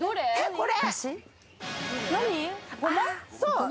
これ。